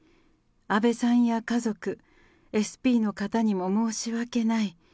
安倍さんや家族、ＳＰの方にも申し訳ない。